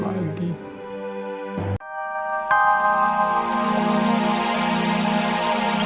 bukan untuk features nya